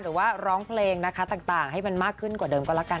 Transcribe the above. หรือว่าร้องเพลงนะคะต่างให้มันมากขึ้นกว่าเดิมก็แล้วกัน